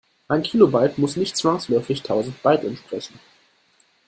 Ein Kilobyte muss nicht zwangsläufig tausend Byte entsprechen.